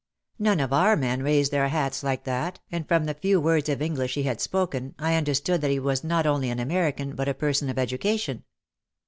None of our men raised their hats like that and from the few words of English he had spoken I understood that he was not only an American but a person of education.